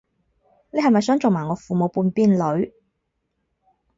你係咪想做埋我父母半邊女